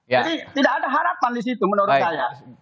jadi tidak ada harapan di situ menurut saya